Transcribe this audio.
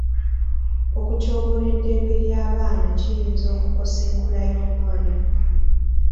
Okutyoboola eddembe ly'abaana kiyinza okukosa enkula y'omwana.